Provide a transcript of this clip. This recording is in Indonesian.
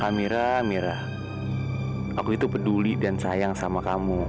amirah amirah aku itu peduli dan sayang sama kamu